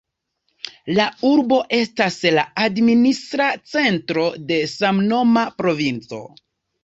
La urbo estas la administra centro de samnoma provinco.